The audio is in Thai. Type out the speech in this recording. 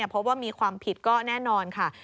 พบว่ามีความผิดก็แน่นอนค่ะ